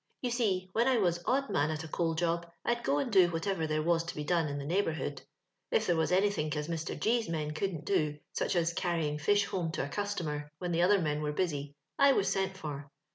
Yon see, when I was odd man at a coal job^ I'd go and do whatever there was to be done in the neigh bourhood. If there was anythink as Mr. G 's men couldn't do — such as canying fish home to a customer, when the other men were busy — I was sent for.